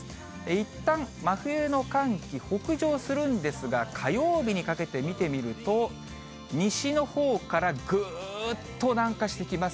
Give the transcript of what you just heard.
いったん真冬の寒気、北上するんですが、火曜日にかけて見てみると、西のほうからぐーっと南下してきます。